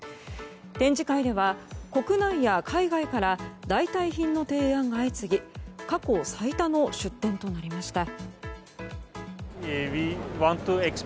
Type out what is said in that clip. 展示会では国内や海外から代替品の提案が相次ぎ過去最多の出展となりました。